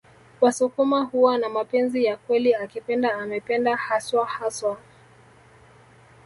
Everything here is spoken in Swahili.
Wasukuma huwa na mapenzi ya ukweli akipenda amependa haswa haswa